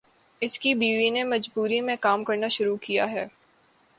اس کی بیوی نے مجبوری میں کام کرنا شروع کیا ہے۔